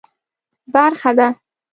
برخه ده.